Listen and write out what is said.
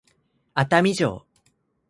熱海城